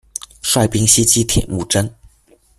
率兵西击铁木真。